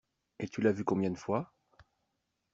Et tu l'as vu combien de fois?